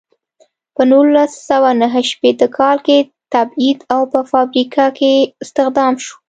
په نولس سوه نهه شپیته کال کې تبعید او په فابریکه کې استخدام شو.